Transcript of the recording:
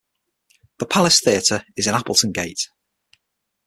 The Palace Theatre is in Appletongate.